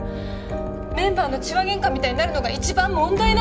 メンバーの痴話げんかみたいになるのが一番問題なの。